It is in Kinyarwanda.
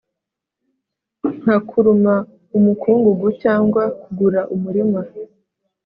nka kuruma umukungugu cyangwa kugura umurima